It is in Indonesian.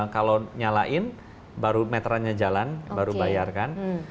kalau nyalain baru meterannya jalan baru bayar kan